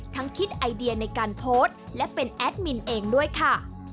คิดไอเดียในการโพสต์และเป็นแอดมินเองด้วยค่ะ